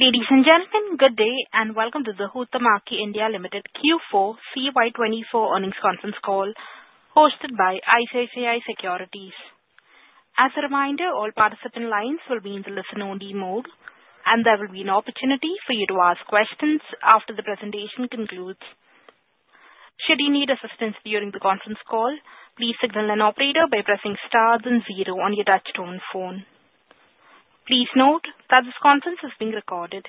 Ladies and gentlemen, good day and welcome to the Huhtamaki India Limited Q4 CY 2024 earnings conference call hosted by ICICI Securities. As a reminder, all participant lines will be in the listen-only mode, and there will be an opportunity for you to ask questions after the presentation concludes. Should you need assistance during the conference call, please signal an operator by pressing star and zero on your touch-tone phone. Please note that this conference is being recorded.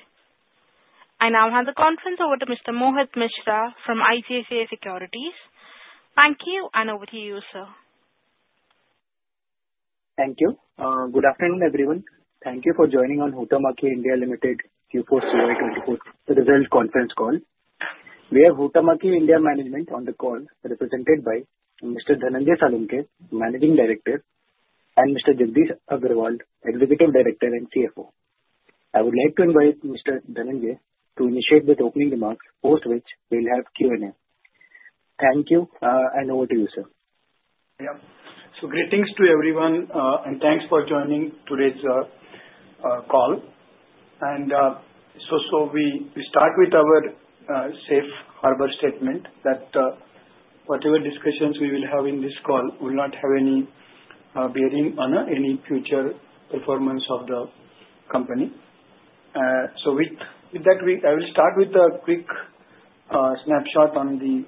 I now hand the conference over to Mr. Mohit Mishra from ICICI Securities. Thank you, and over to you, sir. Thank you. Good afternoon, everyone. Thank you for joining on Huhtamaki India Limited Q4 CY 2024 results conference call. We have Huhtamaki India Management on the call, represented by Mr. Dhananjay Salunkhe, Managing Director, and Mr. Jagdish Agarwal, Executive Director and CFO. I would like to invite Mr. Dhananjay to initiate with opening remarks, post which we'll have Q&A. Thank you, and over to you, sir. Yep. Greetings to everyone, and thanks for joining today's call. We start with our safe harbor statement that whatever discussions we will have in this call will not have any bearing on any future performance of the company. With that, I will start with a quick snapshot on the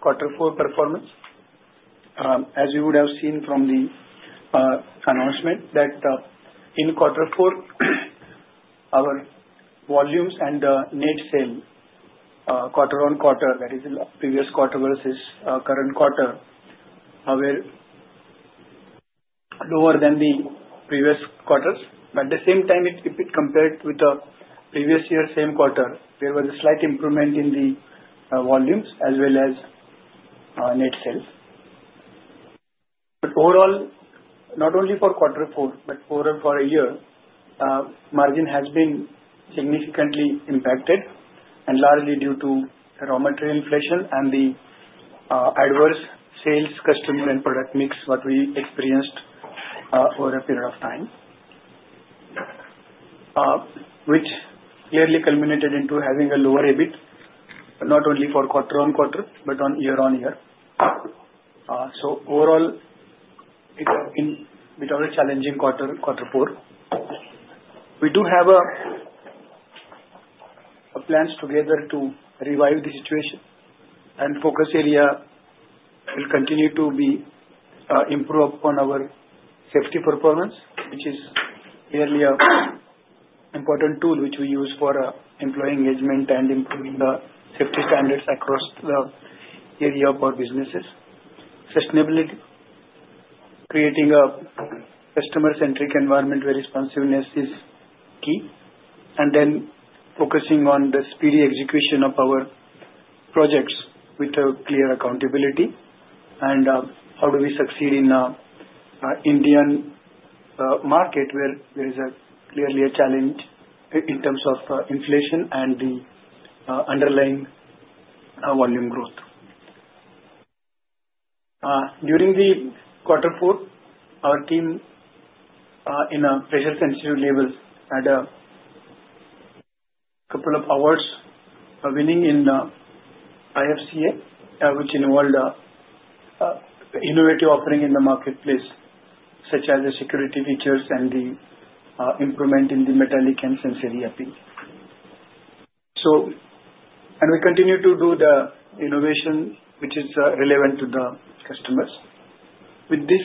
quarter four performance. As you would have seen from the announcement, in quarter four, our volumes and net sale, quarter-on-quarter, that is, previous quarter versus current quarter, were lower than the previous quarters. At the same time, if compared with the previous year's same quarter, there was a slight improvement in the volumes as well as net sales. Overall, not only for quarter four, but overall for a year, margin has been significantly impacted, and largely due to raw material inflation and the adverse sales-customer and product mix that we experienced over a period of time, which clearly culminated into having a lower EBITDA, not only for quarter-on-quarter, but on year-on-year. Overall, it has been a bit of a challenging quarter, quarter four. We do have plans together to revive the situation, and focus area will continue to be improved upon our safety performance, which is clearly an important tool which we use for employee engagement and improving the safety standards across the area of our businesses. Sustainability, creating a customer-centric environment where responsiveness is key, and then focusing on the speedy execution of our projects with clear accountability. How do we succeed in the Indian market where there is clearly a challenge in terms of inflation and the underlying volume growth? During quarter four, our team in a pressure-sensitive level had a couple of awards winning in IFCA, which involved innovative offering in the marketplace, such as the security features and the improvement in the metallic and sensory ERPs. We continue to do the innovation which is relevant to the customers. With this,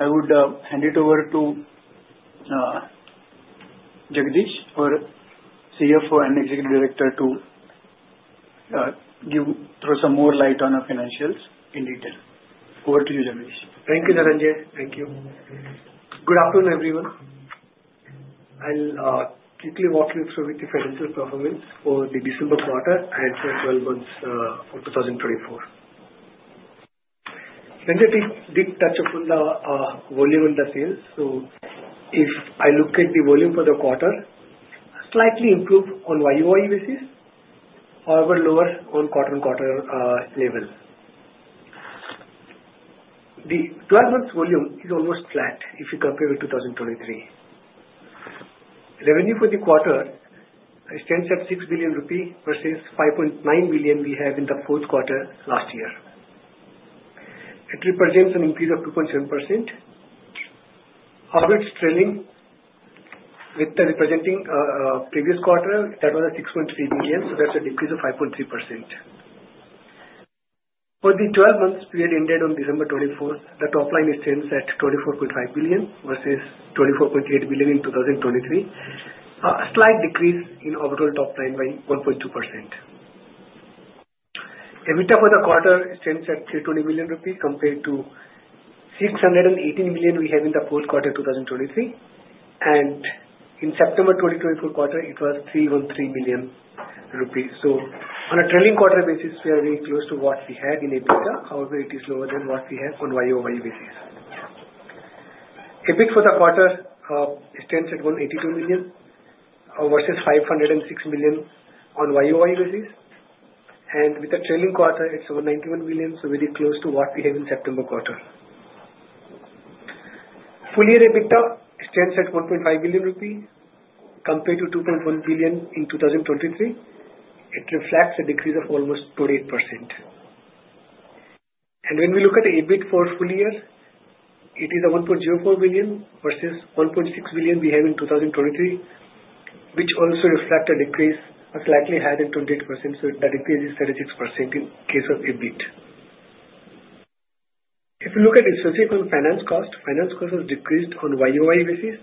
I would hand it over to Jagdish, our CFO and Executive Director, to throw some more light on our financials in detail. Over to you, Jagdish. Thank you, Dhananjay. Thank you. Good afternoon, everyone. I'll quickly walk you through the financial performance for the December quarter and for 12 months of 2024. Dhananjay did touch upon the volume and the sales. If I look at the volume for the quarter, slightly improved on YUY basis, however lower on quarter-on-quarter level. The 12-month volume is almost flat if you compare with 2023. Revenue for the quarter stands at 6 billion rupees versus 5.9 billion we had in the fourth quarter last year. It represents an increase of 2.7%. However, it's trailing with the representing previous quarter that was at 6.3 billion. That's an increase of 5.3%. For the 12-month period ended on December 24th, the top line stands at 24.5 billion versus 24.8 billion in 2023, a slight decrease in overall top line by 1.2%. EBITDA for the quarter stands at 320 million rupees compared to 618 million we had in the fourth quarter of 2023. In September 2024 quarter, it was 313 million rupees. On a trailing quarter basis, we are very close to what we had in EBITDA. However, it is lower than what we had on year-on-year basis. EBIT for the quarter stands at 182 million versus 506 million on year-over-year basis. With the trailing quarter, it is 191 million, so very close to what we had in September quarter. Full-year EBITDA stands at 1.5 billion rupee compared to 2.1 billion in 2023. It reflects a decrease of almost 28%. When we look at the EBIT for full year, it is 1.04 billion versus 1.6 billion we had in 2023, which also reflects a decrease of slightly higher than 28%. That decrease is 36% in case of EBIT. If we look at the specific on finance cost, finance cost has decreased on year-over-year basis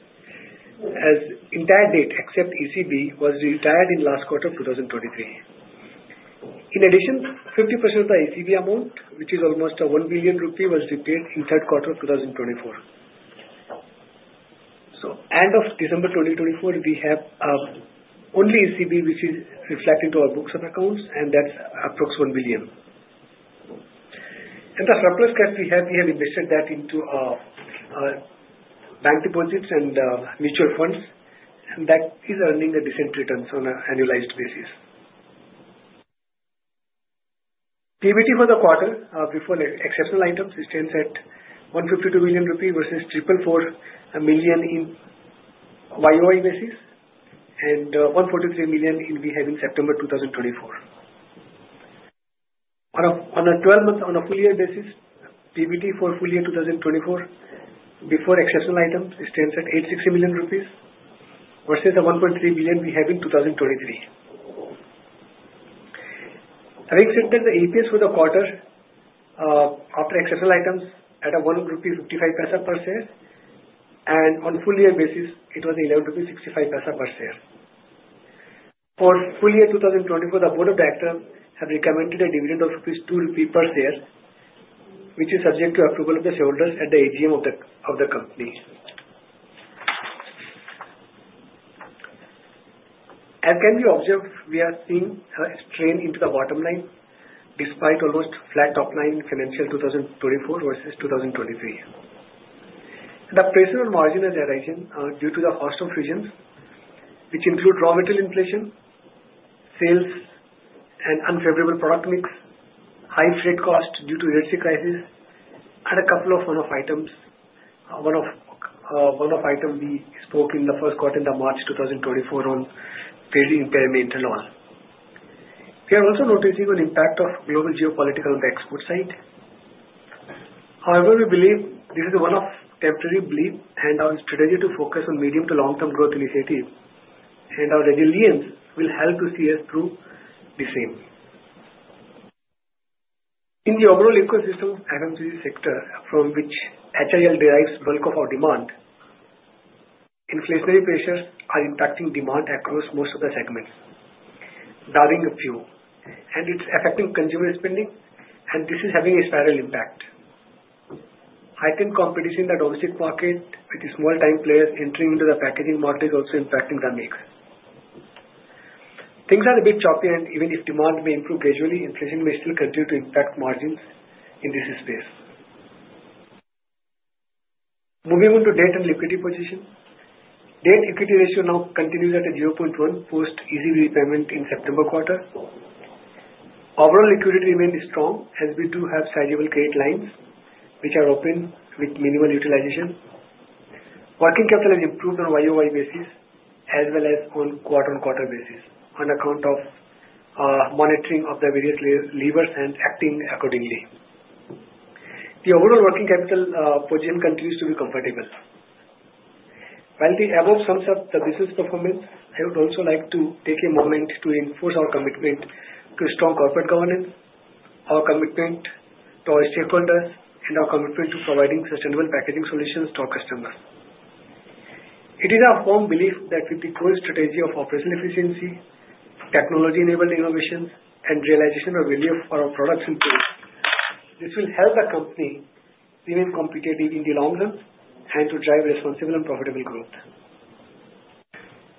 as entire debt, except ECB, was retired in last quarter of 2023. In addition, 50% of the ECB amount, which is almost 1 billion rupee, was retained in third quarter of 2024. At end of December 2024, we have only ECB, which is reflected into our books of accounts, and that's approximately 1 billion. The surplus cash we have, we have invested that into bank deposits and mutual funds, and that is earning a decent return on an annualized basis. PBT for the quarter before exceptional items stands at 152 million rupees versus 444 million in year-over-year basis and 143 million we had in September 2024. On a full-year basis, PBT for full year 2024 before exceptional items stands at 860 million rupees versus 1.3 billion we have in 2023. Having said that, the EPS for the quarter after exceptional items at 1.55 rupee per share, and on full-year basis, it was 11.65 rupees per share. For full year 2024, the board of directors have recommended a dividend of 2 rupees per share, which is subject to approval of the shareholders at the AGM of the company. As can be observed, we are seeing a strain into the bottom line despite almost flat top line in financial 2024 versus 2023. The pressure on margin is arising due to the cost of fusions, which include raw material inflation, sales, and unfavorable product mix, high freight cost due to energy crisis, and a couple of one-off items. One-off item we spoke in the first quarter in March 2024 on fairly impairment and all. We are also noticing an impact of global geopolitical on the export side. However, we believe this is a one-off temporary bleed and our strategy to focus on medium to long-term growth initiative and our resilience will help to see us through the same. In the overall ecosystem of the NMG sector, from which HIL derives bulk of our demand, inflationary pressures are impacting demand across most of the segments, daring a few. It is affecting consumer spending, and this is having a spiral impact. Heightened competition in the domestic market with the small-time players entering into the packaging market is also impacting the mix. Things are a bit choppy, and even if demand may improve gradually, inflation may still continue to impact margins in this space. Moving on to debt and liquidity position. Debt-equity ratio now continues at 0.1 post easy repayment in September quarter. Overall liquidity remained strong as we do have sizeable credit lines which are open with minimal utilization. Working capital has improved on year-over-year basis as well as on quarter-on-quarter basis on account of monitoring of the various levers and acting accordingly. The overall working capital position continues to be comfortable. While the above sums up the business performance, I would also like to take a moment to enforce our commitment to strong corporate governance, our commitment to our stakeholders, and our commitment to providing sustainable packaging solutions to our customers. It is our firm belief that with the core strategy of operational efficiency, technology-enabled innovations, and realization of value for our products and tools, this will help the company remain competitive in the long run and to drive responsible and profitable growth.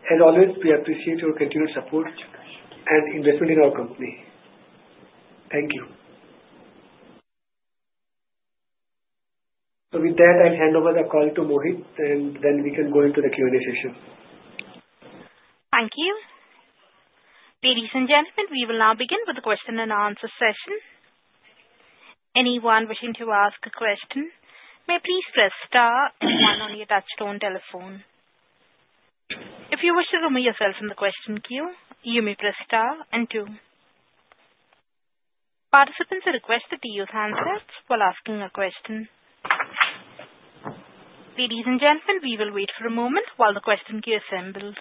As always, we appreciate your continued support and investment in our company. Thank you. With that, I'll hand over the call to Mohit, and then we can go into the Q&A session. Thank you. Ladies and gentlemen, we will now begin with the question and answer session. Anyone wishing to ask a question may please press star and one on your touch-tone telephone. If you wish to zoom in yourself in the question queue, you may press star and two. Participants are requested to use handsets while asking a question. Ladies and gentlemen, we will wait for a moment while the question queue assembles.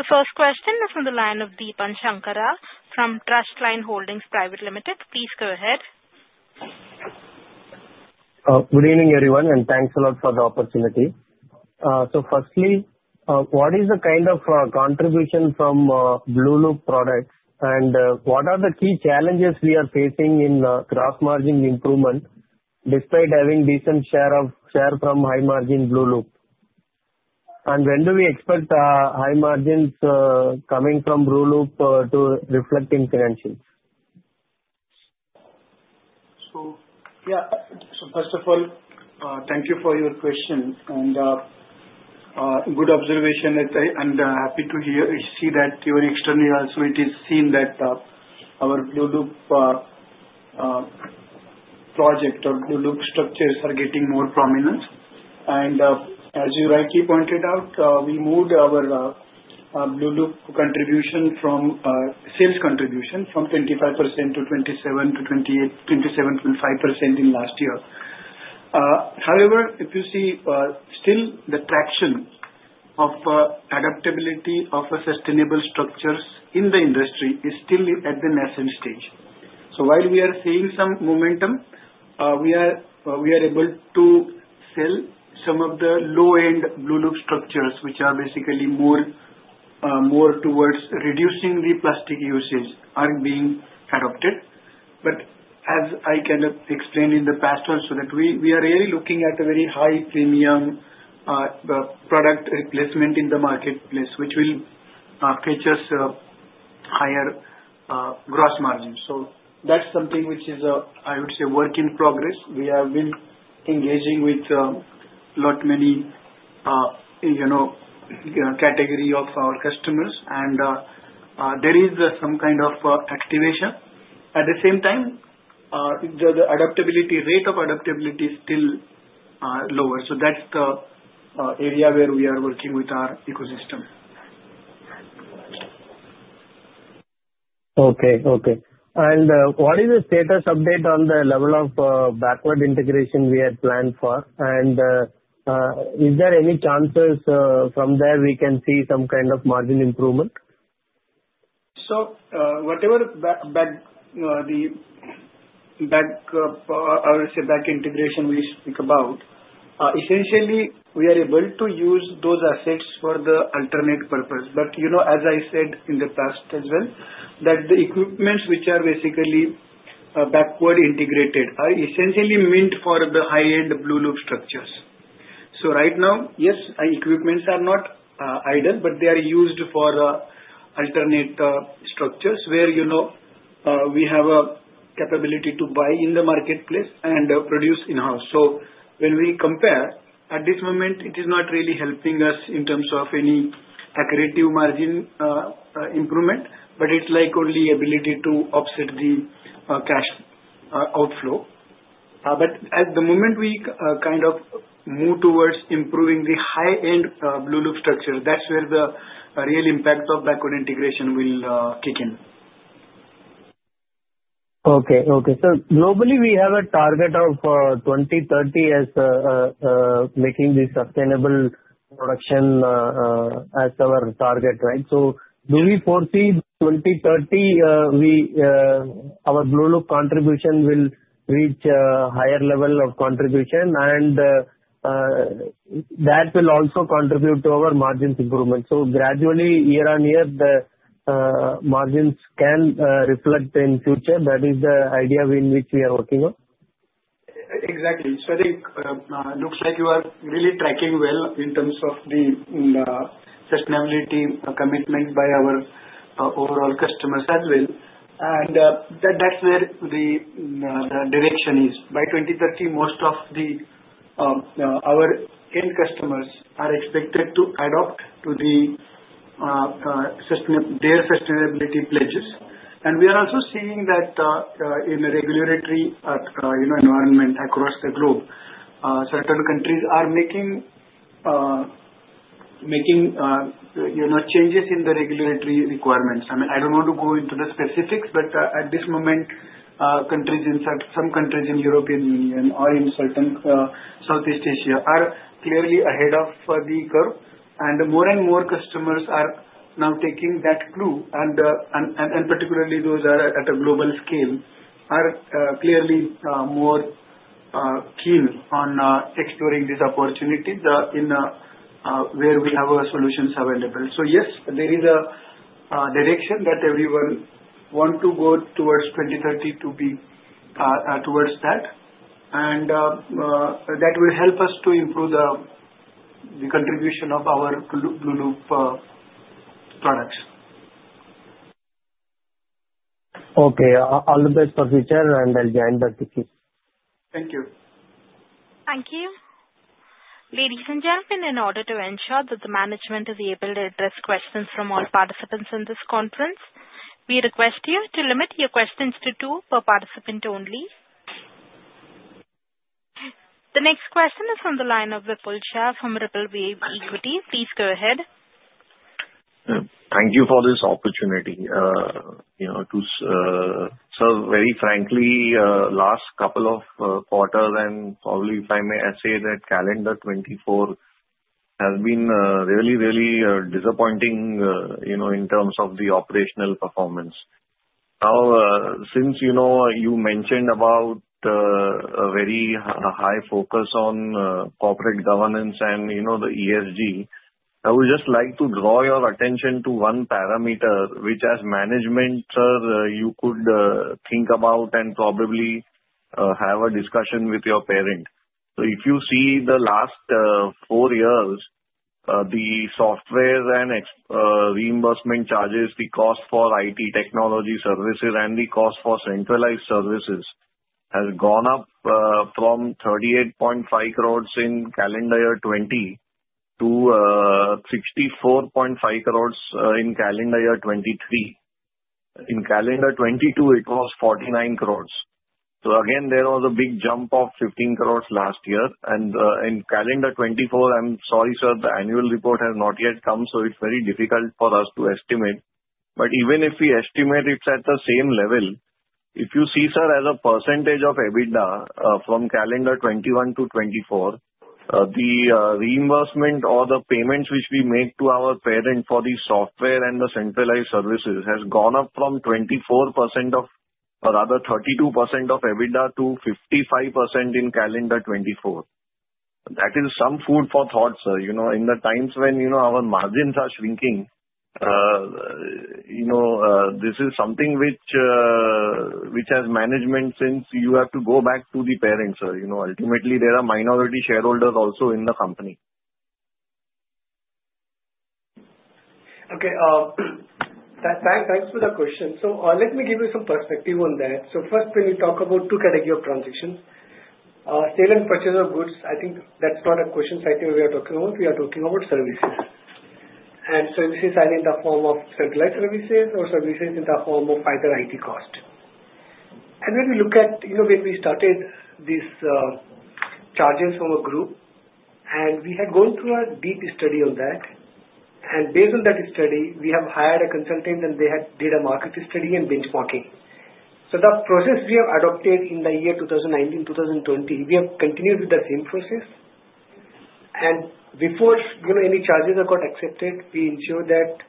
The first question is from the line of Deepan Sankara from TrustLine Holdings Pvt Limited. Please go ahead. Good evening, everyone, and thanks a lot for the opportunity. Firstly, what is the kind of contribution from Blue Loop products, and what are the key challenges we are facing in gross margin improvement despite having a decent share from high margin Blue Loop? When do we expect high margins coming from Blue Loop to reflect in financials? First of all, thank you for your question and good observation. I am happy to see that externally also it is seen that our Blue Loop project or Blue Loop structures are getting more prominence. As you rightly pointed out, we moved our Blue Loop contribution from sales contribution from 25%-27.5% in last year. However, if you see, still the traction of adaptability of sustainable structures in the industry is still at the nascent stage. While we are seeing some momentum, we are able to sell some of the low-end Blue Loop structures, which are basically more towards reducing the plastic usage, are being adopted. As I kind of explained in the past also, we are really looking at a very high premium product replacement in the marketplace, which will fetch us higher gross margins. That is something which is, I would say, a work in progress. We have been engaging with a lot many categories of our customers, and there is some kind of activation. At the same time, the adaptability rate of adaptability is still lower. That is the area where we are working with our ecosystem. Okay, okay. What is the status update on the level of backward integration we had planned for? Is there any chances from there we can see some kind of margin improvement? Whatever back, I would say back integration we speak about, essentially we are able to use those assets for the alternate purpose. As I said in the past as well, the equipments which are basically backward integrated are essentially meant for the high-end Blue Loop structures. Right now, yes, equipments are not idle, but they are used for alternate structures where we have a capability to buy in the marketplace and produce in-house. When we compare, at this moment, it is not really helping us in terms of any accurate margin improvement, but it is only ability to offset the cash outflow. At the moment, we kind of move towards improving the high-end Blue Loop structure. That is where the real impact of backward integration will kick in. Okay, okay. Globally, we have a target of 2030 as making the sustainable production as our target, right? Do we foresee 2030 our Blue Loop contribution will reach a higher level of contribution, and that will also contribute to our margins improvement? Gradually, year-on-year, the margins can reflect in future. That is the idea in which we are working on. Exactly. I think it looks like you are really tracking well in terms of the sustainability commitment by our overall customers as well. That is where the direction is. By 2030, most of our end customers are expected to adopt to their sustainability pledges. We are also seeing that in a regulatory environment across the globe, certain countries are making changes in the regulatory requirements. I mean, I do not want to go into the specifics, but at this moment, some countries in the European Union or in certain Southeast Asia are clearly ahead of the curve. More and more customers are now taking that clue, and particularly those at a global scale are clearly more keen on exploring this opportunity where we have solutions available. Yes, there is a direction that everyone wants to go towards 2030 to be towards that. That will help us to improve the contribution of our Blue Loop products. Okay. All the best for future, and I'll join the team. Thank you. Thank you. Ladies and gentlemen, in order to ensure that the management is able to address questions from all participants in this conference, we request you to limit your questions to two per participant only. The next question is from the line of Vipul Shah from RippleWave Equity. Please go ahead. Thank you for this opportunity to serve. Very frankly, last couple of quarters, and probably if I may say that calendar 2024 has been really, really disappointing in terms of the operational performance. Now, since you mentioned about a very high focus on corporate governance and the ESG, I would just like to draw your attention to one parameter which, as management, you could think about and probably have a discussion with your parent. If you see the last four years, the software and reimbursement charges, the cost for IT technology services and the cost for centralized services has gone up from 385 million in calendar year 2020 to 645 million in calendar year 2023. In calendar 2022, it was 490 million. Again, there was a big jump of 150 million last year. In calendar 2024, I'm sorry, sir, the annual report has not yet come, so it's very difficult for us to estimate. Even if we estimate, it's at the same level. If you see, sir, as a percentage of EBITDA from calendar 2021 to 2024, the reimbursement or the payments which we make to our parent for the software and the centralized services has gone up from 24%, or rather 32% of EBITDA, to 55% in calendar 2024. That is some food for thought, sir. In the times when our margins are shrinking, this is something which, as management, since you have to go back to the parent, sir, ultimately there are minority shareholders also in the company. Okay. Thanks for the question. Let me give you some perspective on that. First, when we talk about two categories of transitions, sale and purchase of goods, I think that's not a question we are talking about. We are talking about services. Services are in the form of centralized services or services in the form of either IT cost. When we look at when we started these charges from a group, we had gone through a deep study on that. Based on that study, we have hired a consultant, and they did a market study and benchmarking. The process we have adopted in the year 2019, 2020, we have continued with the same process. Before any charges are accepted, we ensure that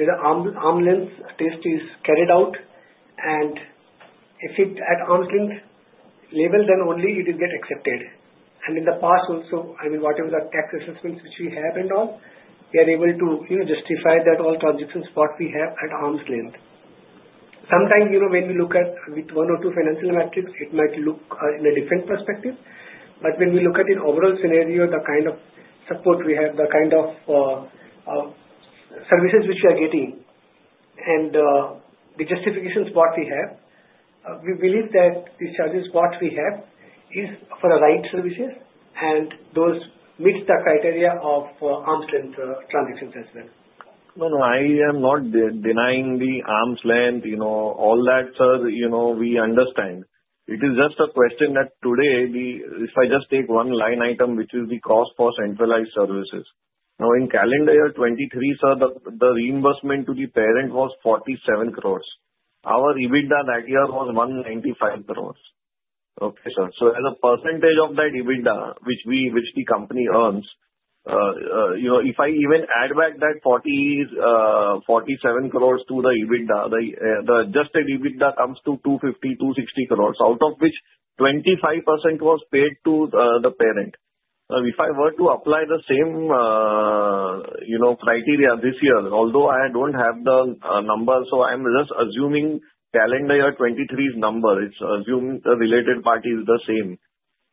the arm's length test is carried out. If it's at arm's length level, then only it will get accepted. In the past also, I mean, whatever the tax assessments which we have and all, we are able to justify that all transactions we have are at arm's length. Sometimes when we look at one or two financial metrics, it might look in a different perspective. When we look at the overall scenario, the kind of support we have, the kind of services which we are getting, and the justifications we have, we believe that these charges we have are for the right services and those meet the criteria of arm's length transactions as well. No, no. I am not denying the arm's length, all that, sir. We understand. It is just a question that today, if I just take one line item which is the cost for centralized services. Now, in calendar year 2023, sir, the reimbursement to the parent was 470 million. Our EBITDA that year was 1.95 billion. Okay, sir. As a percentage of that EBITDA which the company earns, if I even add back that 470 million to the EBITDA, the adjusted EBITDA comes to 2.50-2.60 billion, out of which 25% was paid to the parent. If I were to apply the same criteria this year, although I do not have the number, I am just assuming calendar year 2023's number. It is assuming the related part is the same.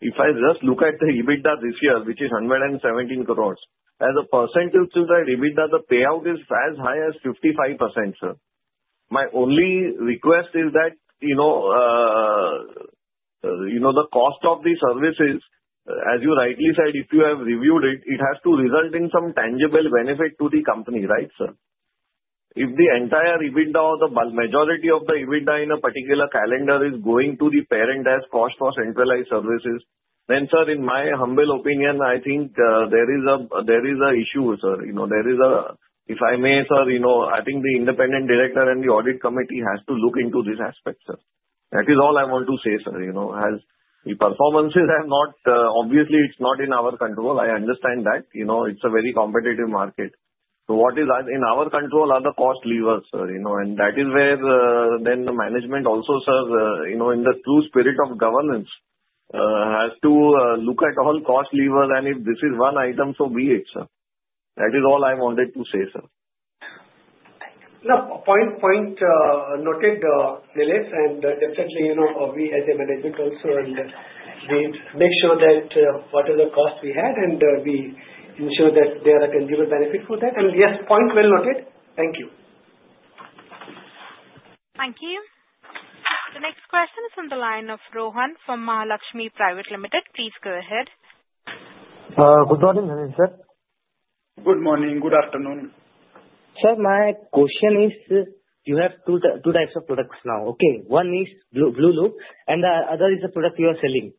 If I just look at the EBITDA this year, which is 1.17 billion, as a percentage to that EBITDA, the payout is as high as 55%, sir. My only request is that the cost of the services, as you rightly said, if you have reviewed it, it has to result in some tangible benefit to the company, right, sir? If the entire EBITDA or the majority of the EBITDA in a particular calendar is going to the parent as cost for centralized services, then, sir, in my humble opinion, I think there is an issue, sir. There is a, if I may, sir, I think the independent director and the audit committee has to look into this aspect, sir. That is all I want to say, sir. The performances are not, obviously, it's not in our control. I understand that. It's a very competitive market. What is in our control are the cost levers, sir. That is where the management also, sir, in the true spirit of governance, has to look at all cost levers, and if this is one item, so be it, sir. That is all I wanted to say, sir. No, point noted, and definitely we as a management also will make sure that whatever cost we had, we ensure that there are a tangible benefit for that. Yes, point well noted. Thank you. Thank you. The next question is on the line of Rohan from Mahalaxmi Private Limited. Please go ahead. Good morning, Sir. Good morning. Good afternoon. Sir, my question is, you have two types of products now. Okay. One is Blue Loop, and the other is the product you are selling.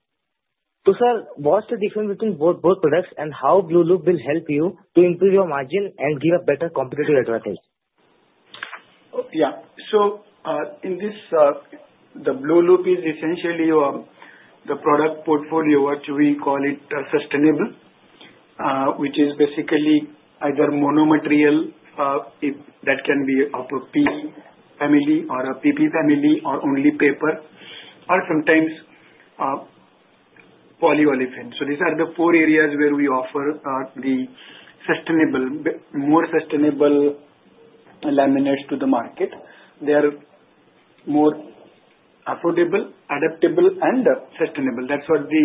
Sir, what's the difference between both products and how Blue Loop will help you to improve your margin and give a better competitive advantage? Yeah. In this, the Blue Loop is essentially the product portfolio, which we call sustainable, which is basically either monomaterial that can be of a PE family or a PP family or only paper or sometimes polyolefin. These are the four areas where we offer the more sustainable laminates to the market. They are more affordable, adaptable, and sustainable. That's what the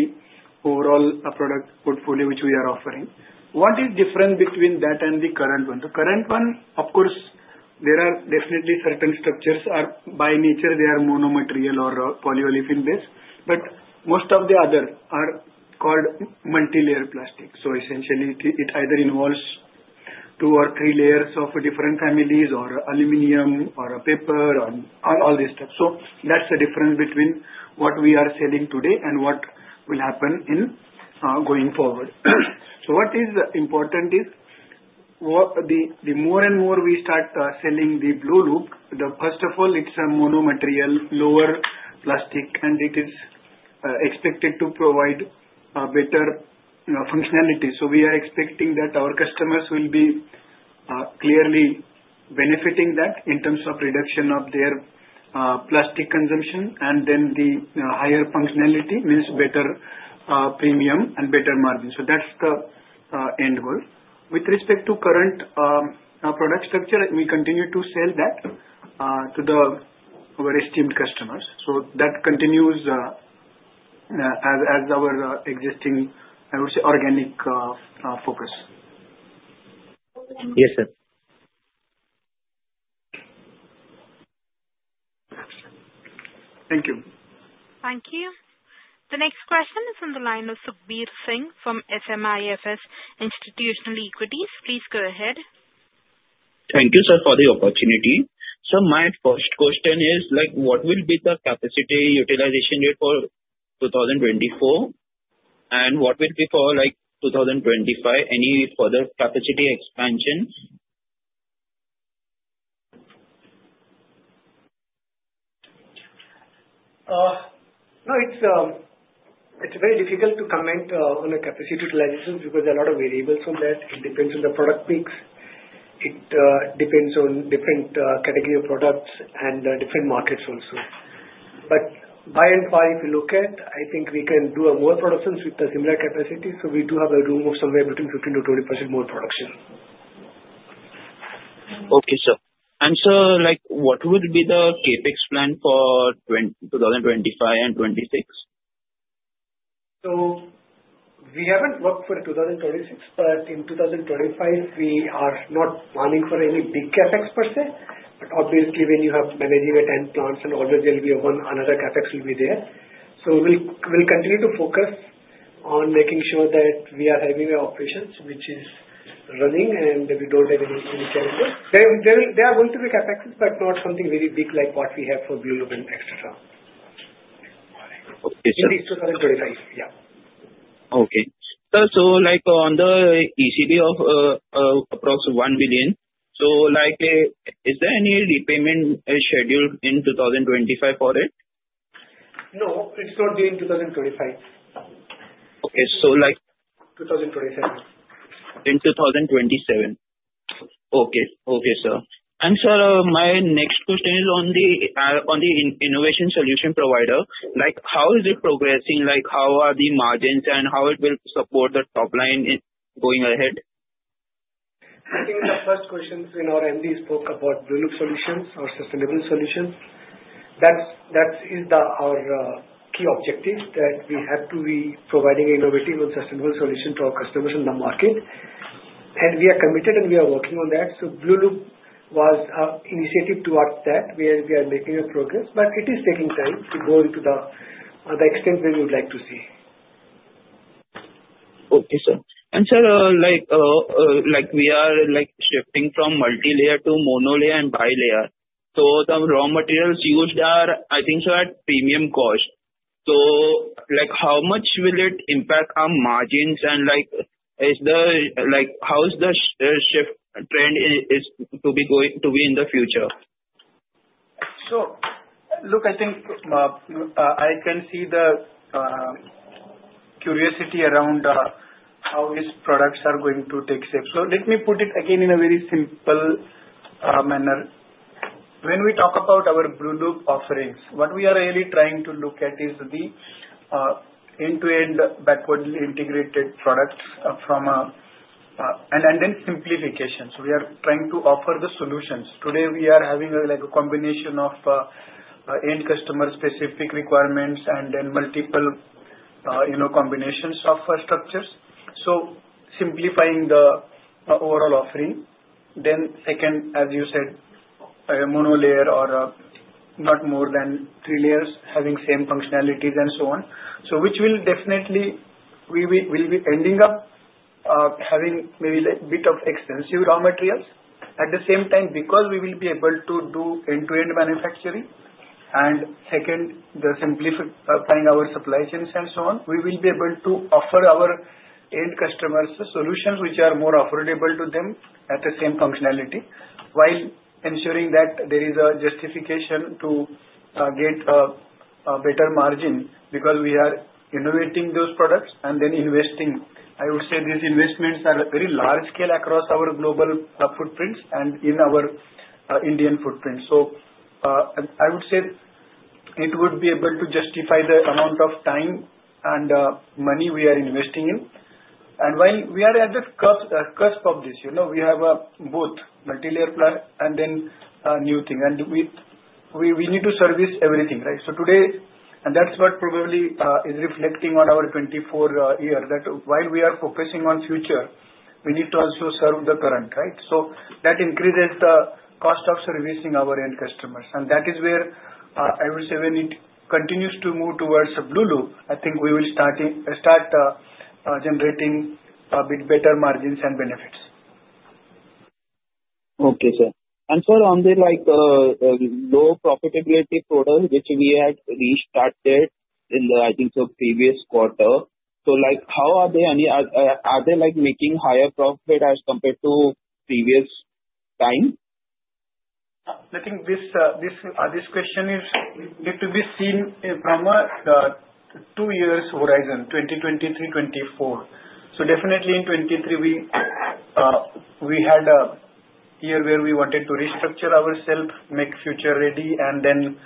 overall product portfolio which we are offering. What is different between that and the current one? The current one, of course, there are definitely certain structures by nature they are monomaterial or polyolefin-based, but most of the others are called multi-layer plastic. Essentially, it either involves two or three layers of different families or aluminum or paper and all this stuff. That's the difference between what we are selling today and what will happen going forward. What is important is the more and more we start selling the Blue Loop, first of all, it's a monomaterial, lower plastic, and it is expected to provide better functionality. We are expecting that our customers will be clearly benefiting that in terms of reduction of their plastic consumption, and then the higher functionality means better premium and better margin. That's the end goal. With respect to current product structure, we continue to sell that to our esteemed customers. That continues as our existing, I would say, organic focus. Yes, sir. Thank you. Thank you. The next question is on the line of Sukhbir Singh from SMIFS Institutional Equities. Please go ahead. Thank you, sir, for the opportunity. My first question is, what will be the capacity utilization rate for 2024, and what will be for 2025? Any further capacity expansion? No, it's very difficult to comment on the capacity utilization because there are a lot of variables on that. It depends on the product mix. It depends on different categories of products and different markets also. By and large, if you look at, I think we can do more productions with the similar capacity. We do have a room of somewhere between 15%-20% more production. Okay, sir. Sir, what will be the CapEx plan for 2025 and 2026? We haven't worked for 2026, but in 2025, we are not planning for any big CapEx per se. Obviously, when you are managing 10 plants, then always there will be another CapEx. We will continue to focus on making sure that we are having an operation which is running, and we don't have any challenges. There are going to be CapExes, but not something very big like what we have for Blue Loop and etc. Okay, sir. At least 2025, yeah. Okay. Sir, on the ECB of approximately 1 billion, is there any repayment scheduled in 2025 for it? No, it's not due in 2025. Okay. So. 2027. In 2027. Okay. Okay, sir. My next question is on the innovation solution provider. How is it progressing? How are the margins and how it will support the top line going ahead? I think the first question when our MD spoke about Blue Loop solutions or sustainable solutions, that is our key objective that we have to be providing innovative and sustainable solutions to our customers in the market. We are committed, and we are working on that. Blue Loop was an initiative towards that where we are making a progress, but it is taking time to go into the extent where we would like to see. Okay, sir. Sir, we are shifting from multi-layer to monolayer and bilayer. The raw materials used are, I think, sir, at premium cost. How much will it impact our margins? How is the shift trend to be in the future? Look, I think I can see the curiosity around how these products are going to take shape. Let me put it again in a very simple manner. When we talk about our Blue Loop offerings, what we are really trying to look at is the end-to-end backward integrated products and then simplification. We are trying to offer the solutions. Today, we are having a combination of end customer specific requirements and then multiple combinations of structures. Simplifying the overall offering. Second, as you said, a monolayer or not more than three layers having same functionalities and so on, which will definitely, we will be ending up having maybe a bit of extensive raw materials. At the same time, because we will be able to do end-to-end manufacturing, and second, simplifying our supply chains and so on, we will be able to offer our end customers solutions which are more affordable to them at the same functionality while ensuring that there is a justification to get a better margin because we are innovating those products and then investing. I would say these investments are very large scale across our global footprints and in our Indian footprints. I would say it would be able to justify the amount of time and money we are investing in. While we are at the cusp of this, we have both multi-layer plant and then new thing. We need to service everything, right? Today, and that's what probably is reflecting on our 24 years, that while we are focusing on future, we need to also serve the current, right? That increases the cost of servicing our end customers. That is where I would say when it continues to move towards Blue Loop, I think we will start generating a bit better margins and benefits. Okay, sir. On the low profitability product, which we had restarted in the, I think, previous quarter, how are they? Are they making higher profit as compared to previous time? I think this question needs to be seen from a two-year horizon, 2023, 2024. Definitely in 2023, we had a year where we wanted to restructure ourselves, make future ready, and then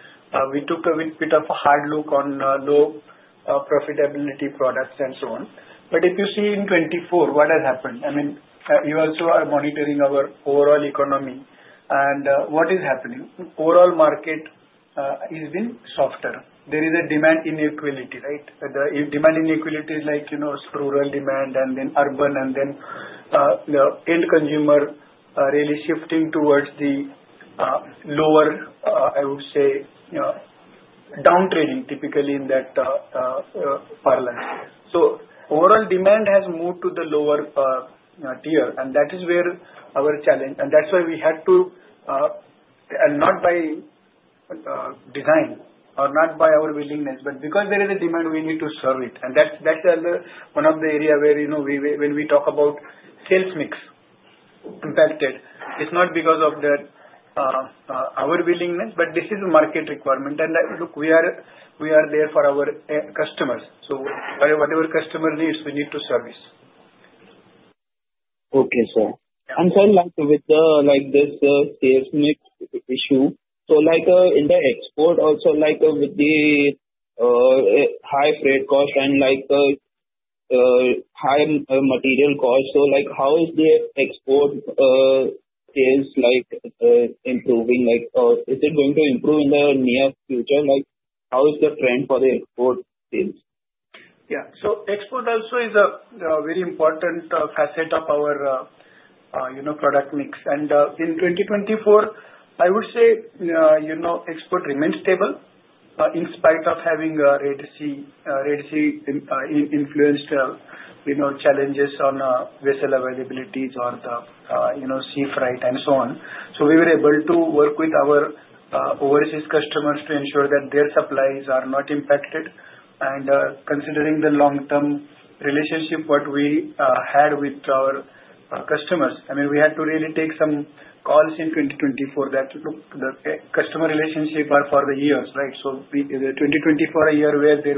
we took a bit of a hard look on low profitability products and so on. If you see in 2024, what has happened? I mean, you also are monitoring our overall economy. What is happening? Overall market has been softer. There is a demand inequality, right? Demand inequality is rural demand and then urban, and then the end consumer really shifting towards the lower, I would say, downtrading typically in that parlance. Overall demand has moved to the lower tier, and that is where our challenge. That is why we had to, and not by design or not by our willingness, but because there is a demand, we need to serve it. That is one of the areas where when we talk about sales mix impacted, it is not because of our willingness, but this is a market requirement. Look, we are there for our customers. Whatever customer needs, we need to service. Okay, sir. With this sales mix issue, in the export, also with the high freight cost and high material cost, how is the export sales improving? Is it going to improve in the near future? How is the trend for the export sales? Yeah. Export also is a very important facet of our product mix. In 2024, I would say export remains stable in spite of having Red Sea influenced challenges on vessel availabilities or the sea freight and so on. We were able to work with our overseas customers to ensure that their supplies are not impacted. Considering the long-term relationship we had with our customers, I mean, we had to really take some calls in 2024 that looked at the customer relationship for the years, right? 2024, a year where they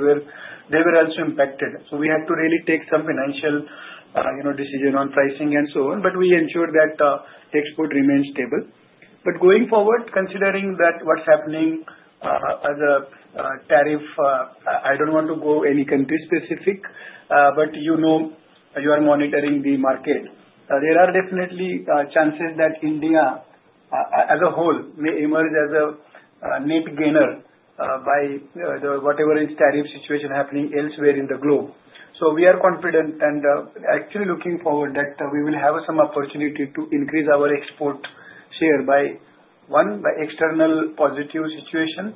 were also impacted. We had to really take some financial decision on pricing and so on, but we ensured that export remains stable. Going forward, considering what is happening as a tariff, I do not want to go any country specific, but you are monitoring the market. There are definitely chances that India as a whole may emerge as a net gainer by whatever is tariff situation happening elsewhere in the globe. We are confident and actually looking forward that we will have some opportunity to increase our export share by, one, by external positive situation.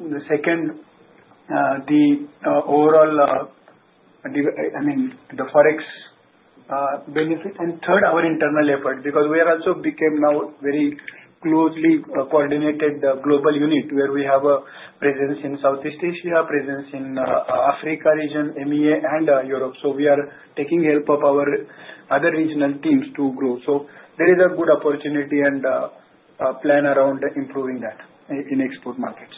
The second, the overall, I mean, the forex benefit. Third, our internal effort because we also became now very closely coordinated global unit where we have a presence in Southeast Asia, presence in Africa region, EMEA, and Europe. We are taking help of our other regional teams to grow. There is a good opportunity and plan around improving that in export markets.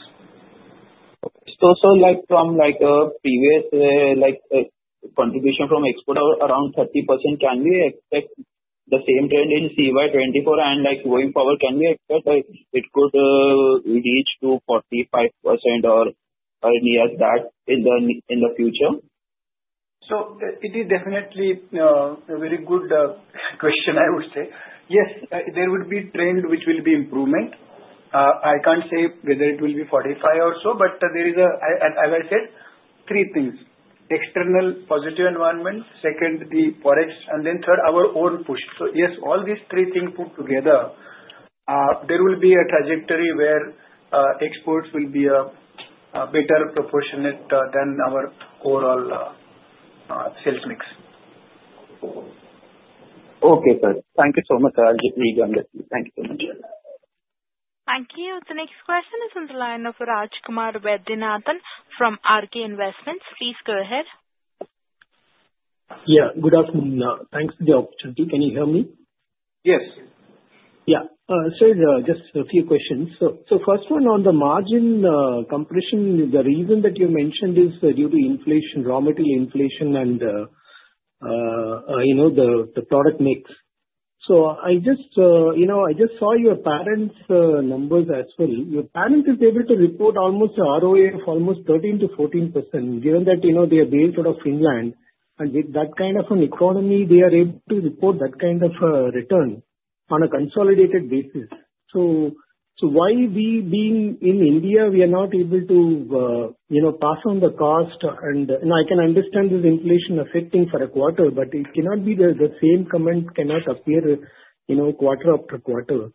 From a previous contribution from export, around 30%, can we expect the same trend in CY 2024 and going forward, can we expect it could reach to 45% or near that in the future? It is definitely a very good question, I would say. Yes, there would be trend which will be improvement. I can't say whether it will be 45 or so, but there is, as I said, three things. External positive environment, 2nd, the forex, and then 3rd, our own push. Yes, all these three things put together, there will be a trajectory where exports will be a better proportionate than our overall sales mix. Okay, sir. Thank you so much, Raj. We understand. Thank you so much. Thank you. The next question is on the line of [Rajakumar Vaidyanathan] from RK Investments. Please go ahead. Yeah. Good afternoon. Thanks for the opportunity. Can you hear me? Yes. Yeah. Sir, just a few questions. First one, on the margin compression, the reason that you mentioned is due to inflation, raw material inflation, and the product mix. I just saw your parent's numbers as well. Your parents are able to report almost ROA of almost 13%-14% given that they are based out of Finland. With that kind of an economy, they are able to report that kind of return on a consolidated basis. Why we, being in India, are not able to pass on the cost? I can understand this inflation affecting for a quarter, but it cannot be that the same comment appears quarter-after-quarter.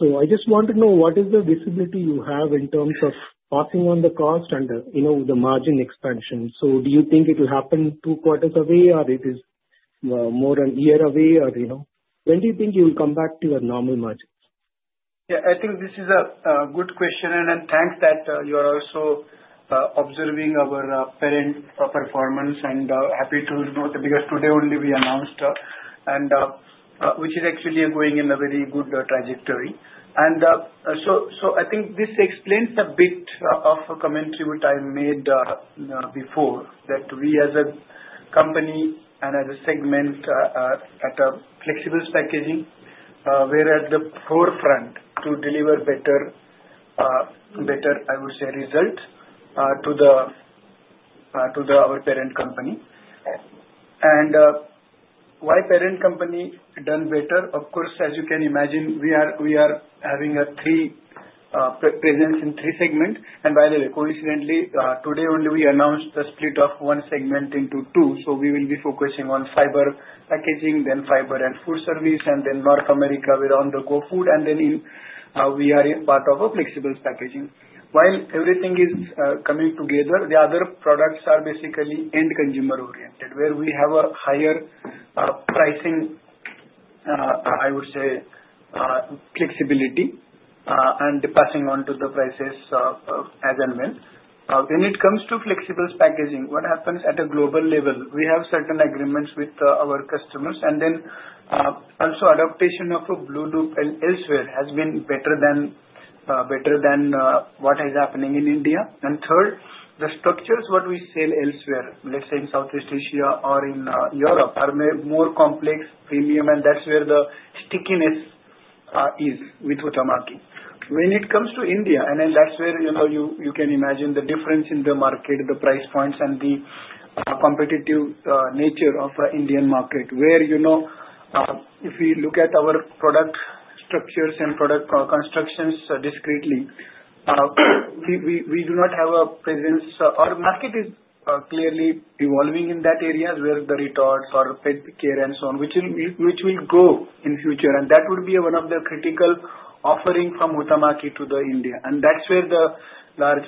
I just want to know what is the visibility you have in terms of passing on the cost and the margin expansion. Do you think it will happen two quarters away, or it is more a year away? When do you think you will come back to your normal margins? Yeah. I think this is a good question. Thanks that you are also observing our parent performance and happy to know because today only we announced, which is actually going in a very good trajectory. I think this explains a bit of a commentary which I made before that we as a company and as a segment at a flexible packaging were at the forefront to deliver better, I would say, results to our parent company. Why parent company done better? Of course, as you can imagine, we are having a presence in three segments. By the way, coincidentally, today only we announced the split of one segment into two. We will be focusing on fiber packaging, then fiber and food service, and then North America we are on the go-food, and then we are part of a flexible packaging. While everything is coming together, the other products are basically end consumer oriented where we have a higher pricing, I would say, flexibility and passing on to the prices as and when. When it comes to flexible packaging, what happens at a global level? We have certain agreements with our customers, and then also adaptation of Blue Loop elsewhere has been better than what is happening in India. Third, the structures what we sell elsewhere, let's say in Southeast Asia or in Europe, are more complex, premium, and that's where the stickiness is with the market. When it comes to India, and then that's where you can imagine the difference in the market, the price points, and the competitive nature of the Indian market where if we look at our product structures and product constructions discreetly, we do not have a presence or market is clearly evolving in that area where the retorts or pet care and so on, which will go in future. That would be one of the critical offerings from Huhtamaki to India. That's where the large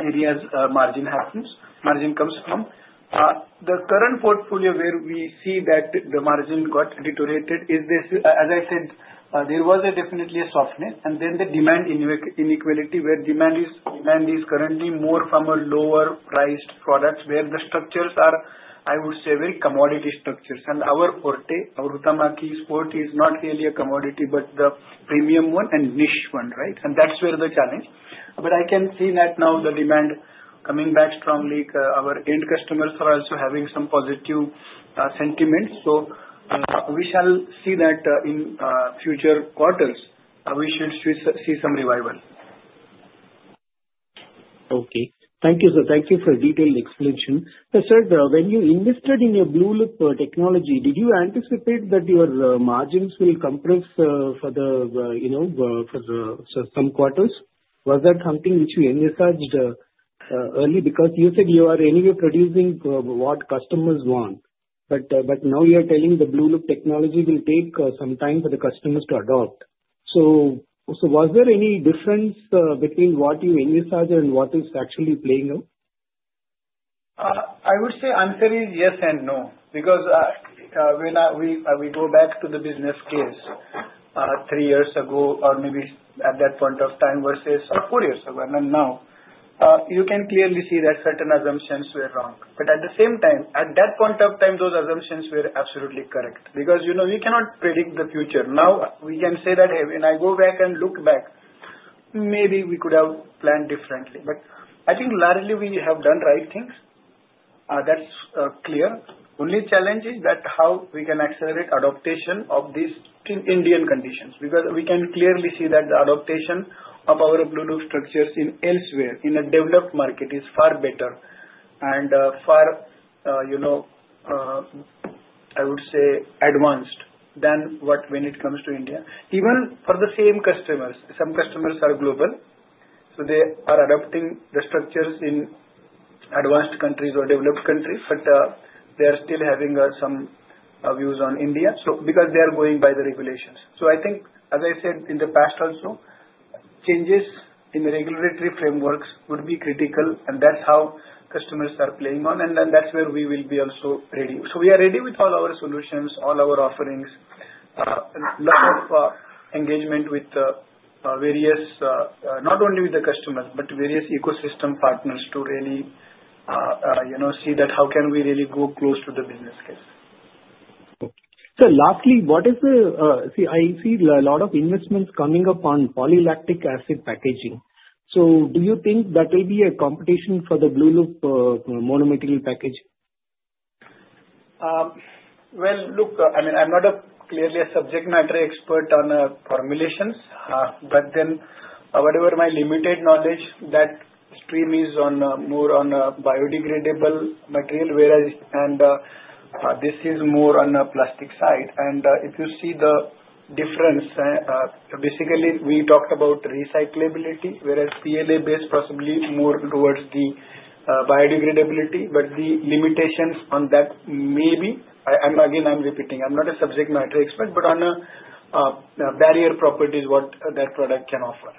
areas margin happens, margin comes from. The current portfolio where we see that the margin got deteriorated is this. As I said, there was definitely a softness, and then the demand inequality where demand is currently more from a lower priced product where the structures are, I would say, very commodity structures. Our Huhtamaki support is not really a commodity, but the premium one and niche one, right? That is where the challenge is. I can see that now the demand is coming back strongly. Our end customers are also having some positive sentiment. We shall see that in future quarters. We should see some revival. Okay. Thank you, sir. Thank you for detailed explanation. Sir, when you invested in your Blue Loop technology, did you anticipate that your margins will compress for some quarters? Was that something which you envisaged early? Because you said you are anyway producing what customers want, but now you're telling the Blue Loop technology will take some time for the customers to adopt. Was there any difference between what you envisaged and what is actually playing out? I would say answer is yes and no because when we go back to the business case three years ago or maybe at that point of time versus four years ago and now, you can clearly see that certain assumptions were wrong. At the same time, at that point of time, those assumptions were absolutely correct because we cannot predict the future. Now we can say that when I go back and look back, maybe we could have planned differently. I think largely we have done right things. That is clear. Only challenge is that how we can accelerate adaptation of this in Indian conditions because we can clearly see that the adaptation of our Blue Loop structures elsewhere in a developed market is far better and far, I would say, advanced than when it comes to India. Even for the same customers, some customers are global, so they are adopting the structures in advanced countries or developed countries, but they are still having some views on India because they are going by the regulations. I think, as I said in the past also, changes in the regulatory frameworks would be critical, and that's how customers are playing on, and that's where we will be also ready. We are ready with all our solutions, all our offerings, a lot of engagement with various, not only with the customers, but various ecosystem partners to really see that how can we really go close to the business case. Sir, lastly, I see a lot of investments coming up on polylactic acid packaging. Do you think that will be a competition for the Blue Loop monomaterial package? I mean, I'm not clearly a subject matter expert on formulations, but then whatever my limited knowledge, that stream is more on biodegradable material whereas this is more on the plastic side. If you see the difference, basically, we talked about recyclability whereas PLA-based possibly more towards the biodegradability, but the limitations on that may be again, I'm repeating, I'm not a subject matter expert, but on the barrier properties, what that product can offer.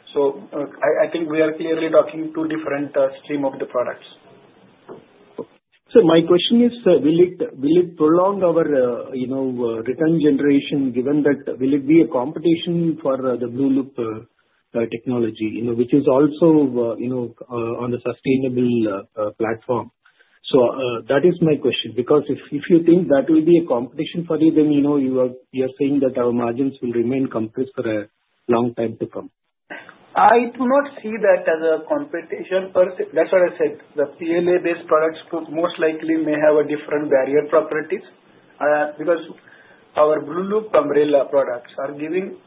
I think we are clearly talking two different streams of the products. Sir, my question is, will it prolong our return generation given that will it be a competition for the Blue Loop technology, which is also on the sustainable platform? That is my question because if you think that will be a competition for you, then you are saying that our margins will remain compressed for a long time to come. I do not see that as a competition. That's what I said. The PLA-based products most likely may have different barrier properties because our Blue Loop umbrella products are giving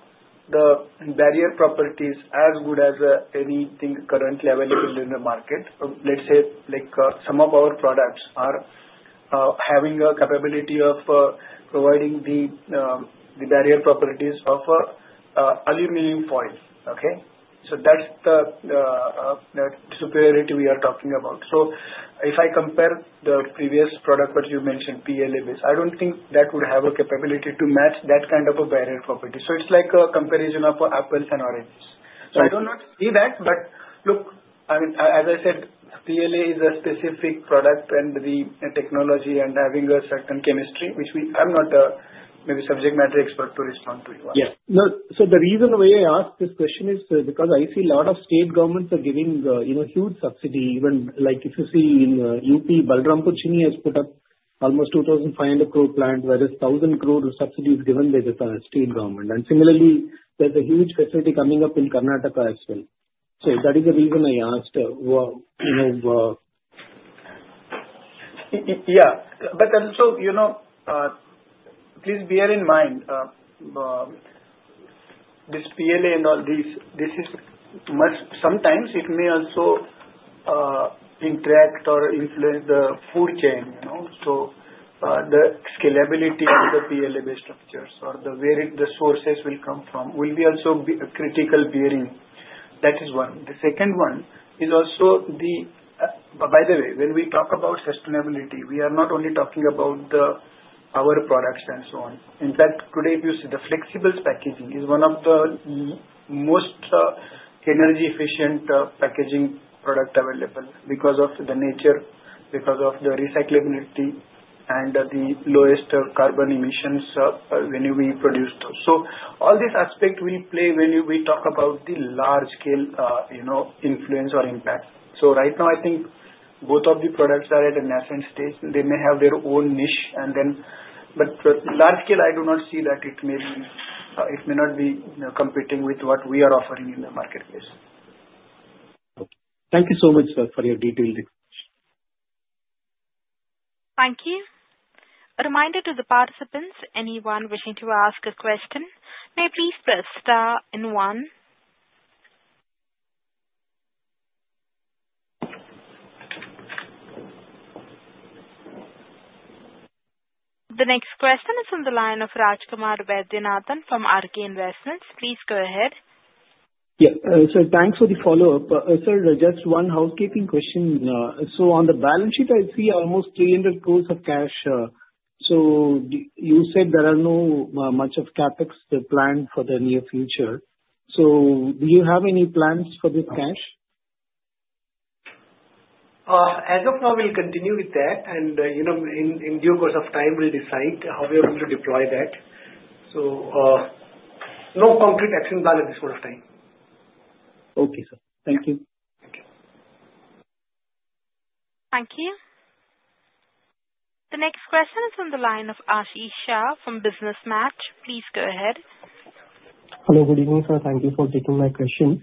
the barrier properties as good as anything currently available in the market. Let's say some of our products are having a capability of providing the barrier properties of aluminum foil. Okay? That's the superiority we are talking about. If I compare the previous product that you mentioned, PLA-based, I don't think that would have a capability to match that kind of a barrier property. It's like a comparison of apples and oranges. I do not see that, but look, I mean, as I said, PLA is a specific product and the technology and having a certain chemistry, which I'm not maybe subject matter expert to respond to you. Yes. The reason why I ask this question is because I see a lot of state governments are giving huge subsidy, even if you see in UP Balrampur Chini has put up almost 25 billion plant, whereas 10 billion subsidy is given by the state government. Similarly, there is a huge facility coming up in Karnataka as well. That is the reason I asked. Yeah. Please bear in mind this PLA and all these, sometimes it may also interact or influence the food chain. The scalability of the PLA-based structures or the sources will come from will be also critical bearing. That is one. The second one is also, by the way, when we talk about sustainability, we are not only talking about our products and so on. In fact, today, if you see the flexible packaging is one of the most energy-efficient packaging products available because of the nature, because of the recyclability, and the lowest carbon emissions when we produce those. All these aspects will play when we talk about the large-scale influence or impact. Right now, I think both of the products are at an essence stage. They may have their own niche, but large-scale, I do not see that it may not be competing with what we are offering in the marketplace. Thank you so much for your detailed explanation. Thank you. A reminder to the participants, anyone wishing to ask a question, may please press star and one. The next question is on the line of Rajakumar Vaidyanathan from RK Investments. Please go ahead. Yeah. Sir, thanks for the follow-up. Sir, just one housekeeping question. On the balance sheet, I see almost 3 billion of cash. You said there are not much of CapEx planned for the near future. Do you have any plans for this cash? As of now, we will continue with that, and in due course of time, we will decide how we are going to deploy that. No concrete action plan at this point of time. Okay, sir. Thank you. Thank you. Thank you. The next question is on the line of [Ashish Shah] from Business Match. Please go ahead. Hello, good evening, sir. Thank you for taking my question.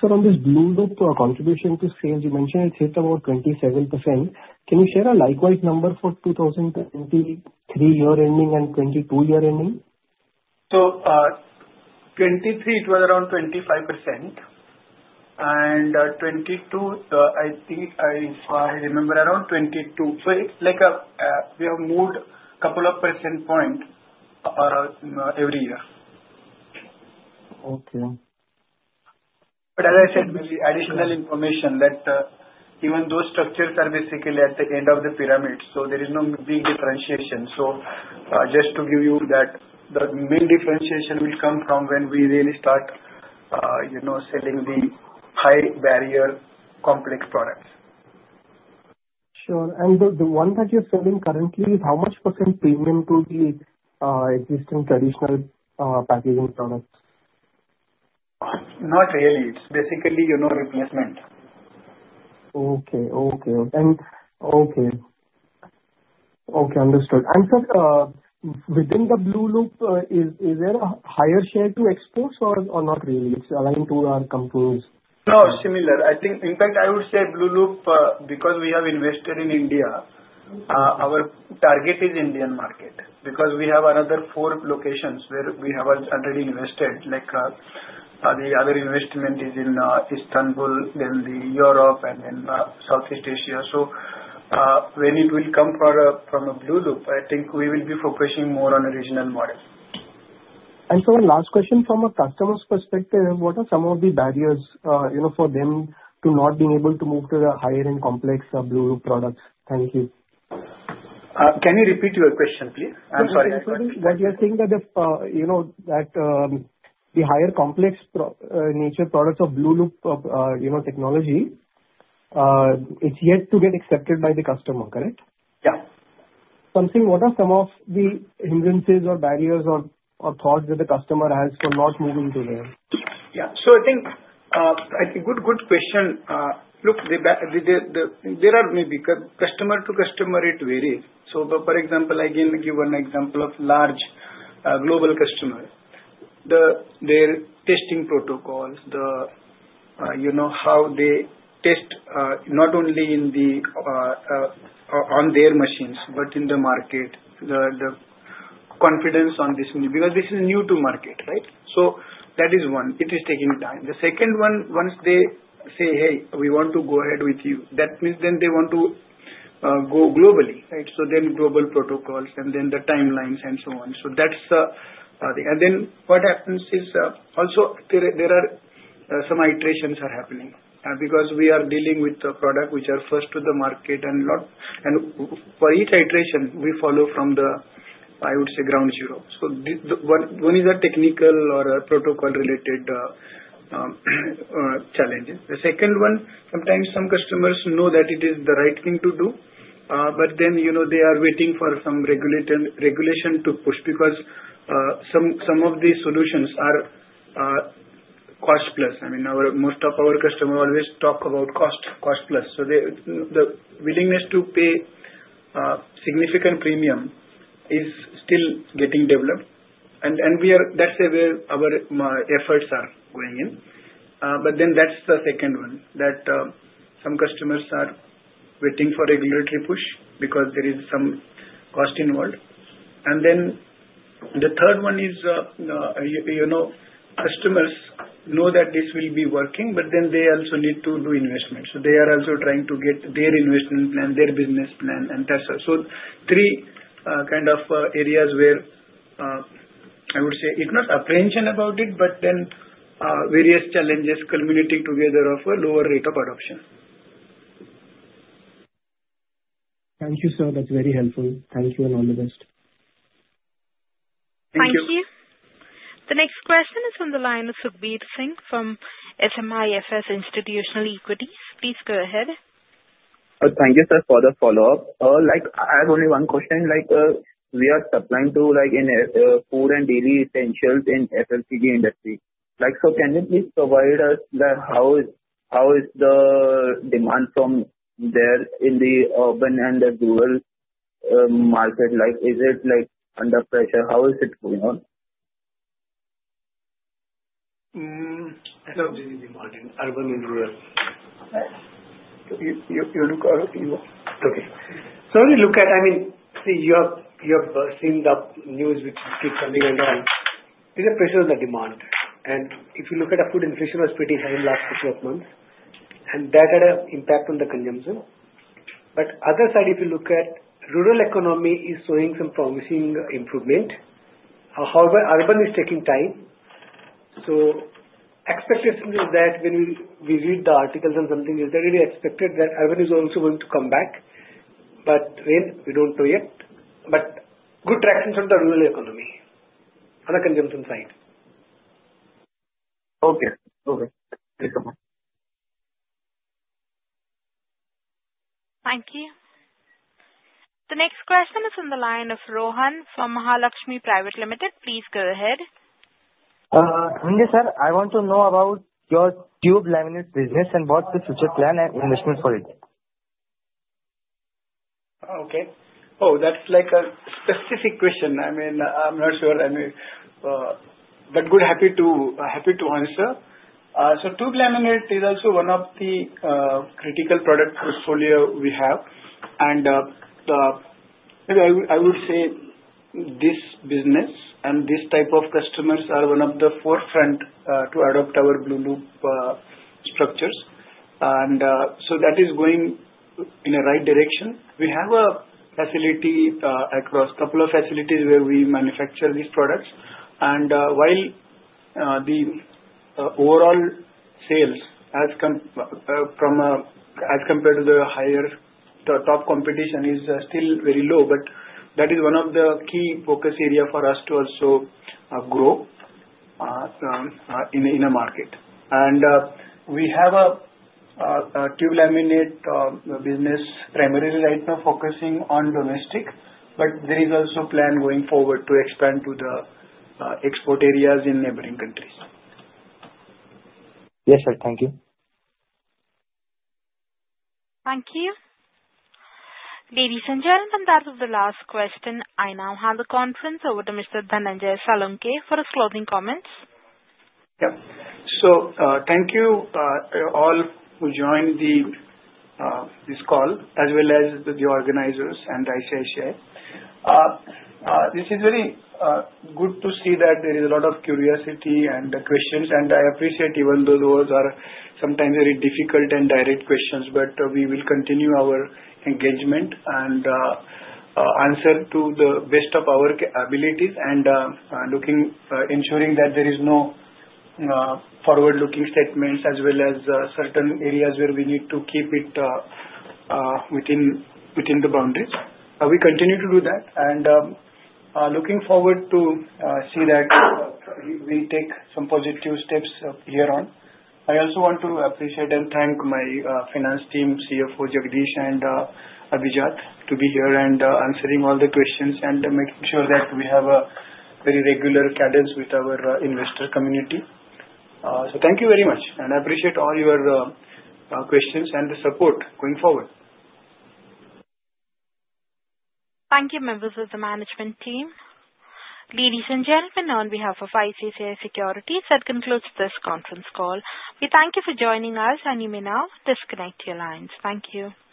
Sir, on this Blue Loop contribution to sales, you mentioned it hit about 27%. Can you share a likewise number for 2023 year-ending and 2022 year-ending? In 2023, it was around 25%, and in 2022, I think I remember around 22. So it is like we have moved a couple of percentage points every year. Okay. As I said, maybe additional information that even those structures are basically at the end of the pyramid, so there is no big differentiation. Just to give you that the main differentiation will come from when we really start selling the high-barrier complex products. Sure. The one that you're selling currently, how much % premium to the existing traditional packaging products? Not really. It's basically replacement. Okay. Okay. Okay. Okay. Understood. Sir, within the Blue Loop, is there a higher share to exports or not really? It is aligned to our companies. No, similar. I think, in fact, I would say Blue Loop, because we have invested in India, our target is Indian market because we have another four locations where we have already invested. The other investment is in Istanbul, then Europe, and then Southeast Asia. When it will come from a Blue Loop, I think we will be focusing more on a regional model. Sir, last question from a customer's perspective, what are some of the barriers for them to not being able to move to the higher-end complex Blue Loop products? Thank you. Can you repeat your question, please? I'm sorry. What you're saying that the higher complex nature products of Blue Loop technology, it's yet to get accepted by the customer, correct? Yeah. What are some of the hindrances or barriers or thoughts that the customer has for not moving to them? Yeah. I think it's a good question. Look, maybe customer-to-customer, it varies. For example, I can give one example of large global customers. Their testing protocols, how they test not only on their machines, but in the market, the confidence on this new because this is new to market, right? That is one. It is taking time. The 2nd one, once they say, "Hey, we want to go ahead with you," that means they want to go globally, right? Global protocols and then the timelines and so on. That's the thing. What happens is also there are some iterations happening because we are dealing with the product which are first to the market, and for each iteration, we follow from the, I would say, ground zero. One is a technical or a protocol-related challenge. The second one, sometimes some customers know that it is the right thing to do, but they are waiting for some regulation to push because some of the solutions are cost-plus. I mean, most of our customers always talk about cost-plus. The willingness to pay significant premium is still getting developed, and that's where our efforts are going in. That is the 2nd one, that some customers are waiting for regulatory push because there is some cost involved. The 3rd one is customers know that this will be working, but they also need to do investments. They are also trying to get their investment plan, their business plan, and that's all. Three kind of areas where I would say it's not apprehension about it, but various challenges culminating together of a lower rate of adoption. Thank you, sir. That's very helpful. Thank you and all the best. Thank you. Thank you. The next question is on the line of Sukhbir Singh from SMIFS Institutional Equities. Please go ahead. Thank you, sir, for the follow-up. I have only one question. We are supplying to food and daily essentials in FMCG industry. Can you please provide us how is the demand from there in the urban and the rural market? Is it under pressure? How is it going on? I don't really know about urban and rural. You look out of the U.S. Okay. When you look at, I mean, see, you have seen the news which keeps coming on. There is a pressure on the demand. If you look at the food, inflation was pretty high in the last couple of months, and that had an impact on the consumption. On the other side, if you look at rural economy, it is showing some promising improvement. However, urban is taking time. Expectation is that when we read the articles and something, it is expected that urban is also going to come back, but we do not know yet. Good traction from the rural economy on the consumption side. Okay. Okay. Thank you. Thank you. The next question is on the line of Rohan from Mahalaxmi Private Limited. Please go ahead. Sanjay, sir, I want to know about your tube laminate business and what is the future plan and investment for it. Okay. Oh, that's a specific question. I mean, I'm not sure. Good, happy to answer. Tube laminate is also one of the critical product portfolio we have. I would say this business and this type of customers are one of the forefront to adopt our Blue Loop structures. That is going in the right direction. We have a facility across a couple of facilities where we manufacture these products. While the overall sales as compared to the higher top competition is still very low, that is one of the key focus areas for us to also grow in the market. We have a tube laminate business primarily right now focusing on domestic, but there is also a plan going forward to expand to the export areas in neighboring countries. Yes, sir. Thank you. Thank you. Ladies and gentlemen, that was the last question. I now hand the conference over to Mr. Dhananjay Salunkhe for his closing comments. Yeah. Thank you all who joined this call, as well as the organizers and ICICI. This is very good to see that there is a lot of curiosity and questions, and I appreciate even though those are sometimes very difficult and direct questions, we will continue our engagement and answer to the best of our abilities and ensuring that there are no forward-looking statements, as well as certain areas where we need to keep it within the boundaries. We continue to do that and are looking forward to see that we take some positive steps here on. I also want to appreciate and thank my finance team, CFO Jagdish and Abhijaat to be here and answering all the questions and making sure that we have a very regular cadence with our investor community. Thank you very much, and I appreciate all your questions and the support going forward. Thank you, members of the management team. Ladies and gentlemen, on behalf of ICICI Securities, that concludes this conference call. We thank you for joining us, and you may now disconnect your lines. Thank you.